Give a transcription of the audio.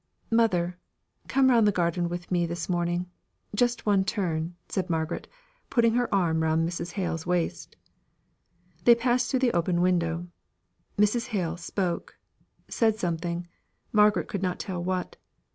"Mother, come round the garden with me this morning; just one turn," said Margaret, putting her arm round Mrs. Hale's waist. They passed through the open window. Mrs. Hale spoke said something Margaret could not tell what.